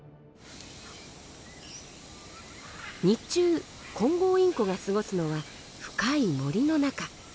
日中コンゴウインコが過ごすのは深い森の中。